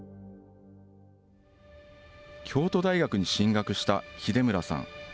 京都大学に進学した秀村さん。